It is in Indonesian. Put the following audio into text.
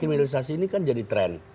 kriminalisasi ini kan jadi tren